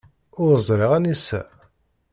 Ur ẓriɣ anisa.